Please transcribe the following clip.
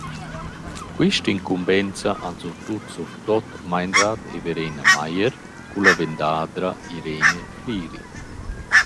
Quista incumbenza han surtut surtuot Meinrad e Verena Meier cun la vendadra Irene Fliri.